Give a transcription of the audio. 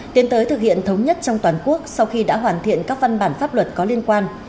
tiến tới thực hiện thống nhất trong toàn quốc sau khi đã hoàn thiện các văn bản pháp luật có liên quan